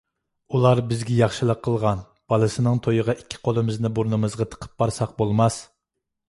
ئۇلار بىزگە ياخشىلىق قىلغان، بالىسىنىڭ تويىغا ئىككى قولىمىزنى بۇرنىمىزغا تىقىپ بارساق بولماس.